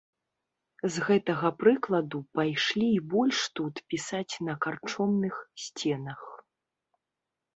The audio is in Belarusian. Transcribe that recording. З гэтага прыкладу пайшлі і больш тут пісаць на карчомных сценах.